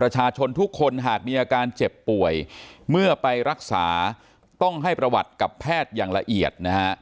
ประชาชนทุกคนหากมีอาการเจ็บป่วยเมื่อไปรักษาต้องให้ประวัติกับแพทย์อย่างละเอียดนะฮะ